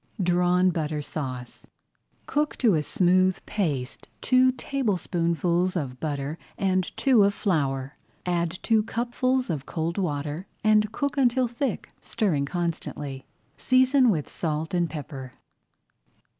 DRAWN BUTTER SAUCE Cook to a smooth paste two tablespoonfuls of butter and two of flour. Add two cupfuls of cold water and cook until thick, stirring constantly. Season with salt and pepper.